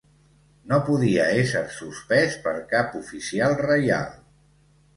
No podia ésser suspès per cap oficial reial.